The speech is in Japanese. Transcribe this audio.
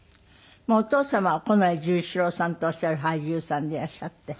お父様は近衛十四郎さんとおっしゃる俳優さんでいらっしゃって。